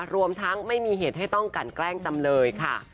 รวมทั้งไม่มีเหตุให้ต้องกันแกล้งจำเลยค่ะ